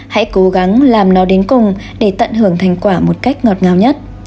hãy cố gắng làm nó đến cùng để tận hưởng thành quả một cách ngọt ngào nhất